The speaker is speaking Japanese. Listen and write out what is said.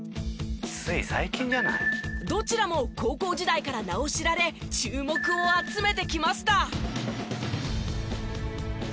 「つい最近じゃない」どちらも高校時代から名を知られ注目を集めてきました。